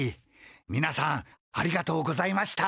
みなさんありがとうございました。